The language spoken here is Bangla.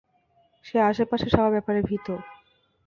সে আশেপাশের সবার ব্যাপারে ভীত।